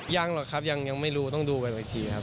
ยังหรอกครับยังไม่รู้ต้องดูกันอีกทีครับ